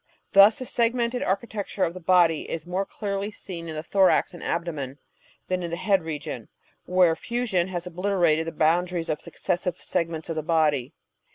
Thus the segmented architecture of the body is more clearly seen in the thorax and abdomen than in the head region, where fusion has obliterated the boundaries of the successive segments of the body.